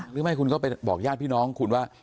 หรือไม่คุณก็ไปบอกญาติพี่น้องคุณว่า